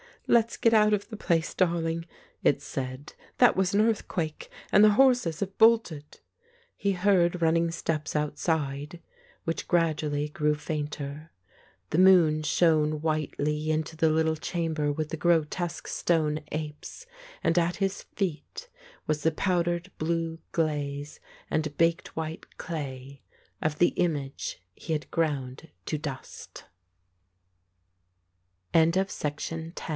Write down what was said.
"Let's get out of the place, darling," it said. "That was an earthquake, and the horses have bolted." He heard running steps outside, which gradually grew fainter. The moon shone whitely into the little chamber with the grotesque stone apes, and at his feet was the powdered blue glaze and baked white clay of the image he